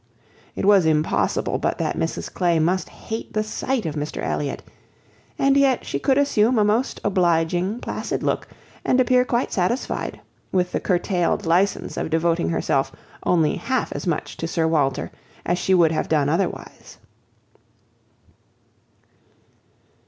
It was impossible but that Mrs Clay must hate the sight of Mr Elliot; and yet she could assume a most obliging, placid look, and appear quite satisfied with the curtailed license of devoting herself only half as much to Sir Walter as she would have done otherwise.